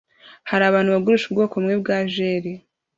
hari abantu bagurisha ubwoko bumwe bwa jelly